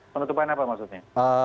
penutupan apa maksudnya